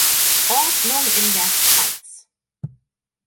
Ordnung in der Pfalz.